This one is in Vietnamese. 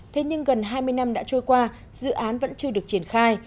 thế nhưng gần hai mươi năm đã trôi qua dự án vẫn chưa được triển khai